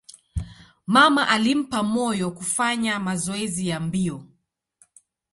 Mama alimpa moyo kufanya mazoezi ya mbio.